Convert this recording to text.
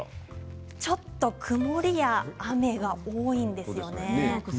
ちょっと曇りや雨が多いんですよね。